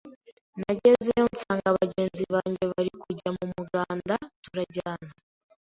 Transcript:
nagezeyo nsanga bagenzi banjye bari kujya mu muganda turajyana,